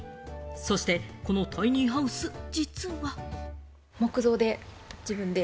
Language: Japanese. そしてこのタイニーハウス、実は。